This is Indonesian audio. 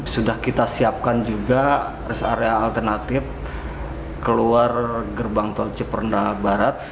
sudah kita siapkan juga rest area alternatif keluar gerbang tol ciperda barat